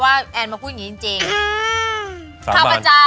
ว่าแอนมาพูดอย่างนี้จริง